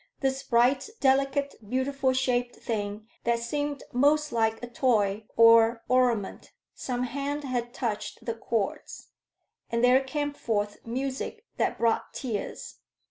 This bright, delicate, beautiful shaped thing that seemed most like a toy or ornament some hand had touched the chords, and there came forth music that brought tears.